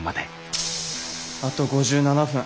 あと５７分。